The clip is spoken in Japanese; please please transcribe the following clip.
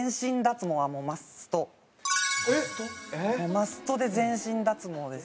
マストで全身脱毛です。